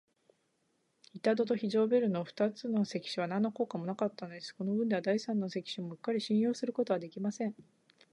板戸と非常ベルの二つの関所は、なんの効果もなかったのです。このぶんでは、第三の関所もうっかり信用することはできません。